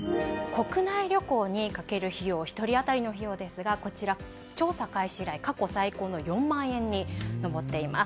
国内旅行にかける１人当たりの費用ですが調査開始以来過去最高の４万円に上っています。